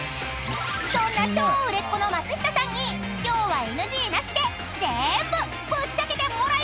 ［そんな超売れっ子の松下さんに今日はＮＧなしで全部ぶっちゃけてもらいまーす！］